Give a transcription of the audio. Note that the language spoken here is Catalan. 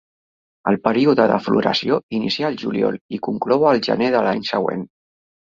El període de floració inicia al juliol i conclou al gener de l'any següent.